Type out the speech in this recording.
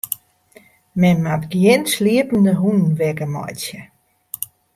Men moat gjin sliepende hûnen wekker meitsje.